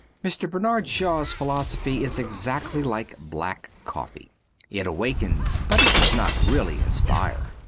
Mr. Bernard Shaw's philosophy is exactly like black coffee — it awakens, but it does not really inspire.